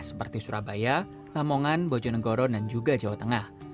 seperti surabaya lamongan bojonegoro dan juga jawa tengah